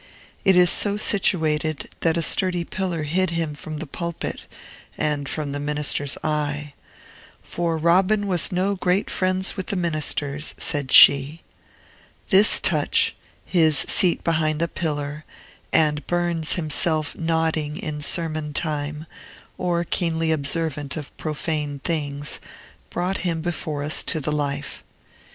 It is so situated, that a sturdy pillar hid him from the pulpit, and from the minister's eye; "for Robin was no great friends with the ministers," said she. This touch his seat behind the pillar, and Burns himself nodding in sermon time, or keenly observant of profane things brought him before us to the life.